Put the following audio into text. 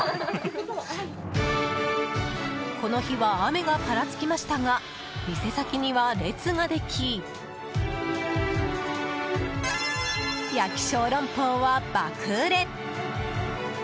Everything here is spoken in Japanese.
この日は雨がぱらつきましたが店先には列ができ焼き小龍包は爆売れ。